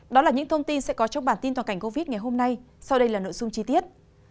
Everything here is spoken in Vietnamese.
đó là những thông tin sẽ có trong bản tin tòa cảnh covid ngày hôm nay sau đây là nội dung chi tiết